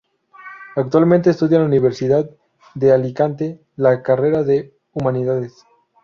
Actualmente estudia en la Universidad de Alicante, la carrera de Humanidades.